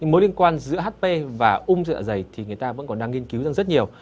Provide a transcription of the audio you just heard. mối liên quan giữa hp và ôm dạ dày thì người ta vẫn còn đang nghiên cứu rất nhiều